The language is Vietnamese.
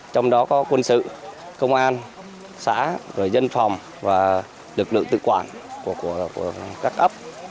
trong đó có quân sự công an xã rồi dân phòng và lực lượng tự quản của các ấp